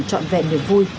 trọn vẹn nền vui